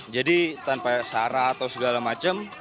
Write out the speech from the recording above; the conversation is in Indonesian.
jadi tanpa syarat atau segala macam